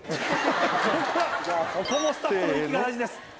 ここもスタッフの息が大事です。